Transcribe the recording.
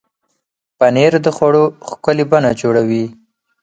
پنېر د خوړو ښکلې بڼه جوړوي.